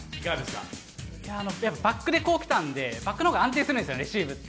バックでこう来たんで、バックの方が安定するんですよね、レシーブって。